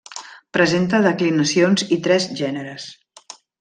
Presenta declinacions i tres gèneres.